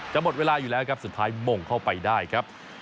หมดเวลาอยู่แล้วครับสุดท้ายมงเข้าไปได้ครับ